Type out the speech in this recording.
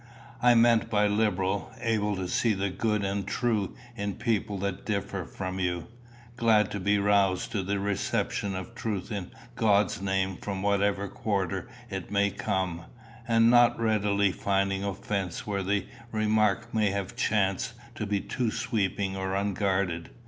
I meant by liberal, able to see the good and true in people that differ from you glad to be roused to the reception of truth in God's name from whatever quarter it may come, and not readily finding offence where a remark may have chanced to be too sweeping or unguarded.